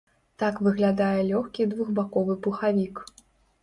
Так выглядае лёгкі двухбаковы пухавік.